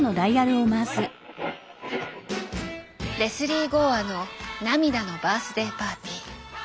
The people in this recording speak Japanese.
レスリー・ゴーアの「涙のバースデイ・パーティ」。